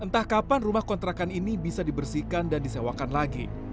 entah kapan rumah kontrakan ini bisa dibersihkan dan disewakan lagi